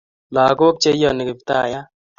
lagok cheiyani kiptaiyat